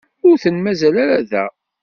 Ur ten-mazal ara da.